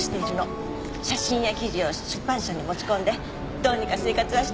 写真や記事を出版社に持ち込んでどうにか生活はしていけてるわ。